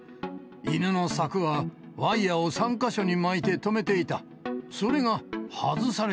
犬の柵はワイヤを３か所に巻いて留めていた。